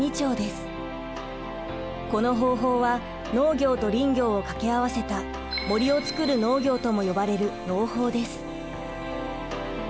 この方法は農業と林業を掛け合わせた森をつくる農業とも呼ばれる農法です。